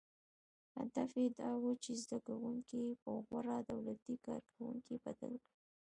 • هدف یې دا و، چې زدهکوونکي یې په غوره دولتي کارکوونکو بدل کړي.